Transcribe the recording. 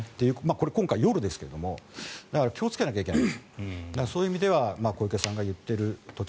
これ、今回夜ですけど気をつけなきゃいけない。